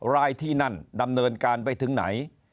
รายที่นั่นดำเนินการไปถึงไหน